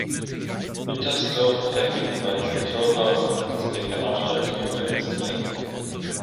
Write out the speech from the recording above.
Hüttersdorf verfügt über ein Kulturhaus, das für Veranstaltungen genutzt wird.